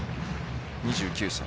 ２９歳。